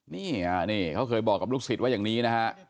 นี่นี่เขาเคยบอกกับลูกศิษย์ว่าอย่างนี้นะฮะ